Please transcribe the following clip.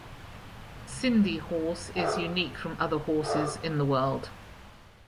Sindhi horse is unique from other horses in the world.